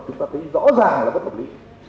chúng ta thấy rõ ràng là bất hợp lý